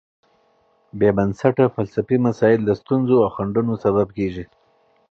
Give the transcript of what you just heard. بېبنسټه فلسفي مسایل د ستونزو او خنډونو سبب کېږي.